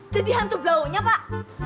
jadi hantu blaunya pak